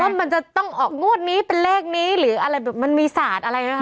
ว่ามันจะต้องออกโง่นนี้เป็นเลขนี้หรือมันมีศาสตร์อะไรนะคะ